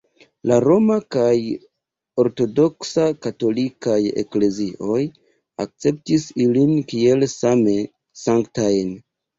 La Roma kaj Ortodoksa katolikaj eklezioj akceptis ilin kiel same sanktajn.